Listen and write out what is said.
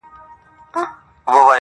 دواړه هيلې او وېره په فضا کي ګډېږي